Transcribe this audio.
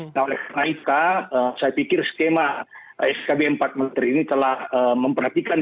nah oleh karena itu saya pikir skema skb empat menteri ini telah memperhatikan